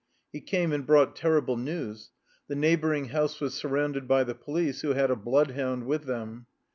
He came and brought terrible news; the neighboring house was surrounded by the police, who had a bloodhound with them.